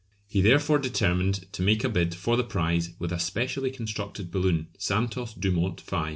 He therefore determined to make a bid for the prize with a specially constructed balloon "Santos Dumont V."